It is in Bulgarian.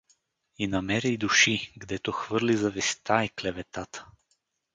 И намери души, гдето хвърли завистта и клеветата.